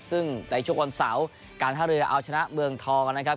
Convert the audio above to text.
ซึ่งในช่วงวันเสาร์การท่าเรือเอาชนะเมืองทองนะครับ